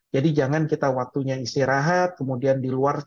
jadi jangan kita waktunya istirahat kemudian di luar